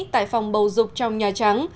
tại phòng bầu dục trong nhà trắng